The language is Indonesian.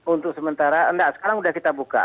untuk sementara enggak sekarang sudah kita buka